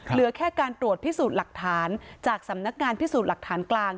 เหลือแค่การตรวจพิสูจน์หลักฐานจากสำนักงานพิสูจน์หลักฐานกลาง